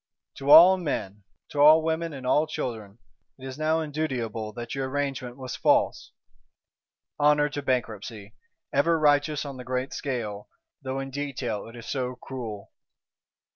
To all men, to all women and all children, it is now indutiable that your Arrangement was false. Honour to Bankruptcy; ever righteous on the great scale, though in detail it is so cruel!